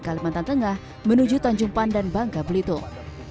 kalimantan tengah menuju tanjung pandan bangka belitung